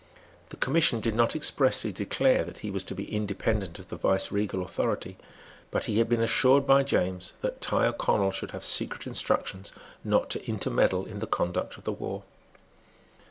The commission did not expressly declare that he was to be independent of the viceregal authority; but he had been assured by James that Tyrconnel should have secret instructions not to intermeddle in the conduct of the war.